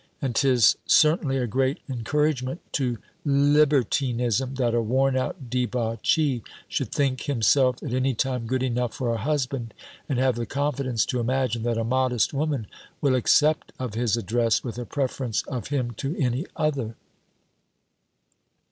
And 'tis certainly a great encouragement to libertinism, that a worn out debauchee should think himself at any time good enough for a husband, and have the confidence to imagine, that a modest woman will accept of his address, with a_ preference_ of him to any other."